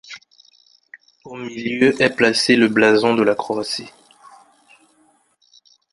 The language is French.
Au milieu est placé le blason de la Croatie.